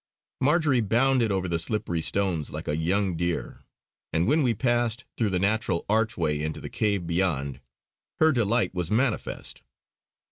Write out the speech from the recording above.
Marjory bounded over the slippery stones like a young deer, and when we passed through the natural archway into the cave beyond, her delight was manifest.